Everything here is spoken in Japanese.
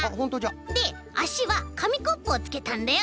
であしはかみコップをつけたんだよ。